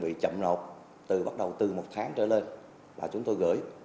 các đơn vị chậm nộp từ bắt đầu từ một tháng trở lên là chúng tôi gửi